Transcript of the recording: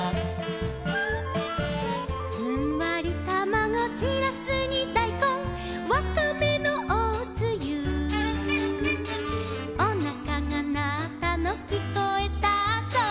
「ふんわりたまご」「しらすにだいこん」「わかめのおつゆ」「おなかがなったのきこえたぞ」